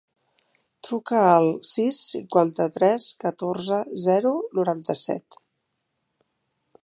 Truca al sis, cinquanta-tres, catorze, zero, noranta-set.